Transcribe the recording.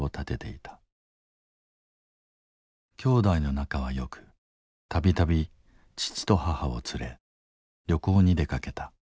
兄弟の仲はよく度々父と母を連れ旅行に出かけた。